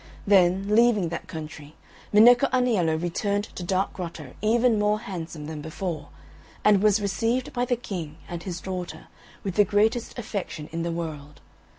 Then, leaving that country, Minecco Aniello returned to Dark Grotto even more handsome than before, and was received by the King and his daughter with the greatest affection in the world.